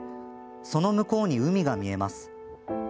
その向こうに海が見えます。